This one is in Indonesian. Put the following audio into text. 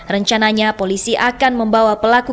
rencananya polisi akan membawa pelaku